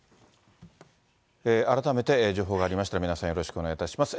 改めて情報がありましたら、皆さんよろしくお願いいたします。